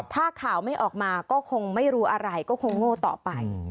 ถ้าข่าวไม่ออกมาก็คงไม่รู้อะไรก็คงโง่ต่อไป